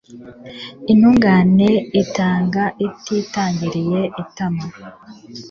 intungane itanga ititangiriye itama